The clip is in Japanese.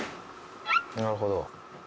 なるほど。